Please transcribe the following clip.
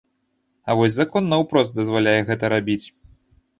А вось закон наўпрост дазваляе гэта рабіць.